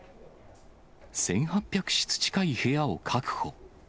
１８００室近い部屋を確保。